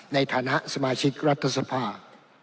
ในฐานะสมาชิกรัฐสภา